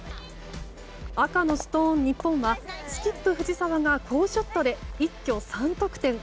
赤のストーン、日本はスキップ藤澤が好ショットで一挙３得点。